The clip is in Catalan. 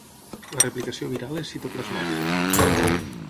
La replicació viral és citoplasmàtica.